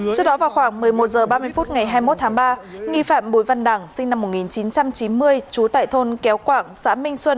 trước đó vào khoảng một mươi một h ba mươi phút ngày hai mươi một tháng ba nghi phạm bùi văn đẳng sinh năm một nghìn chín trăm chín mươi trú tại thôn kéo quảng xã minh xuân